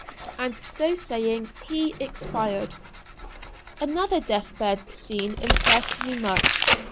and so saying he expired. Another death bed scene impressed me much.